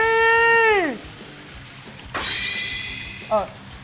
เออ